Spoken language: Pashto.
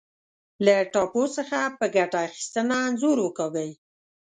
له ټاپو څخه په ګټه اخیستنه انځور وکاږئ.